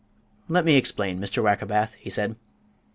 "Let me explain, Mr. Wackerbath," he said.